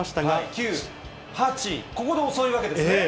９、８、ここで遅いわけですね。